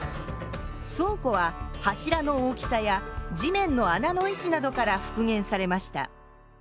倉庫は柱の大きさや地面の穴の位置などから復元されました。